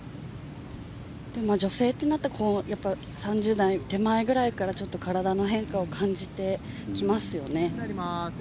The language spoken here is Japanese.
女性って３０代手前ぐらいからちょっと体の変化を感じてきますよね。